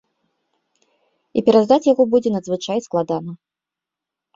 І пераздаць яго будзе надзвычай складана.